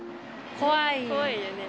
怖いよね。